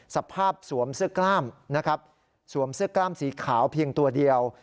สวมเสื้อกล้ามนะครับสวมเสื้อกล้ามสีขาวเพียงตัวเดียว